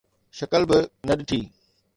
شڪل به نه ڏٺي